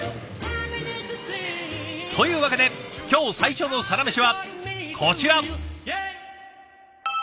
というわけで今日最初のサラメシはこちら！